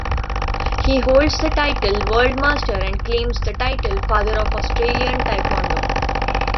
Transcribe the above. He holds the title 'World Master' and claims the title 'Father of Australian Taekwondo.